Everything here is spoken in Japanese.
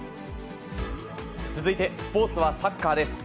続いて、スポーツはサッカーです。